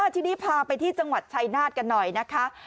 ทีนี้พาไปที่จังหวัดชัยนาธกันหน่อยนะคะ